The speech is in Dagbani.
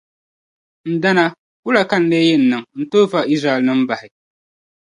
Ndana, wula ka n lee yɛn niŋ n-tooi fa Izraɛlnima bahi?